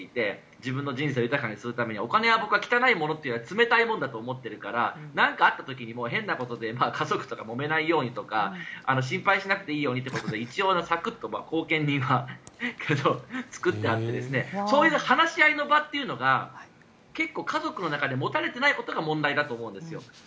自分の人生を豊かにするためにはお金は僕は汚いものというより冷たいものだと思っているから何かがあった時に変なことで家族とかともめないようにとか心配しなくていいように後見人は作ってあってその話し合いの場というのが結構、家族の中で持たれていないことが問題だと思うんです。